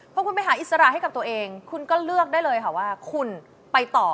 พอคุณไปหาอิสระให้กับตัวเองคุณก็เลือกได้เลยค่ะว่าคุณไปต่อ